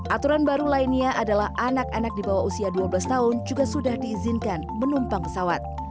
aturan baru lainnya adalah anak anak di bawah usia dua belas tahun juga sudah diizinkan menumpang pesawat